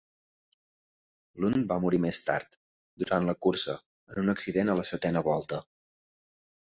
Lund va morir més tard durant la cursa en un accident a la setena volta.